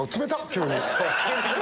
急に。